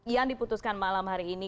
yang diputuskan malam hari ini